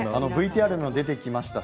ＶＴＲに出てきました